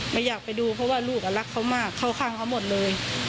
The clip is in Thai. ไม่อยากไปดูเพราะว่าลูกรักเขามากเข้าข้างเขาหมดเลย